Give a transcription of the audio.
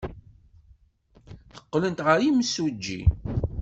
Qqlent ɣer yimsujji.